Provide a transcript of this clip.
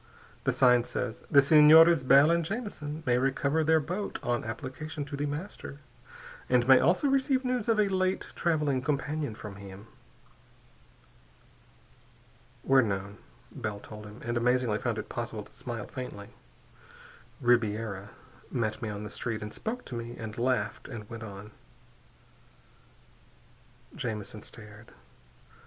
The sign says, '_The Senores Bell and Jamison may recover their boat on application to The Master, and may also receive news of a late traveling companion from him._" "We're known," Bell told him and amazingly found it possible to smile faintly "Ribiera met me on the street and spoke to me and laughed and went on." Jamison stared.